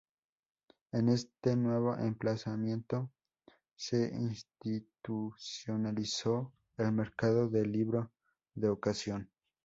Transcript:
En este nuevo emplazamiento se institucionalizó el Mercado del Libro de Ocasión.